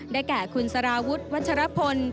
แก่คุณสารวุฒิวัชรพล